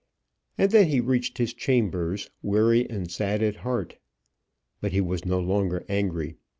And then he reached his chambers, weary and sad at heart. But he was no longer angry.